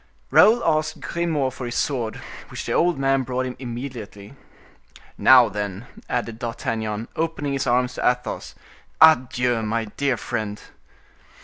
Raoul asked Grimaud for his sword, which the old man brought him immediately. "Now then," added D'Artagnan, opening his arms to Athos, "adieu, my dear friend!"